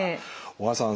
小川さん